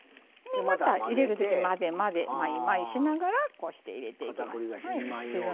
また入れる時混ぜ混ぜしながらこうして入れていきます。